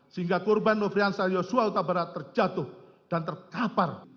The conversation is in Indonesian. sehingga korban lovrianza joshua utabarat terjatuh dan terkapar